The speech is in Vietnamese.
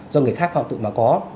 do người khác phạm tụ mà có